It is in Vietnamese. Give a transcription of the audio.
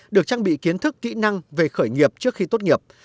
được trang bị kiến thức kỹ năng về khởi nghiệp trước khi tốt nghiệp